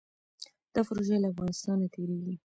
دا پروژه له افغانستان تیریږي